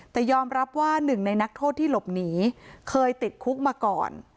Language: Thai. แต่ยอมรับว่าหนึ่งในนักโทษที่หลบหนีเคยติดคุกมาก่อน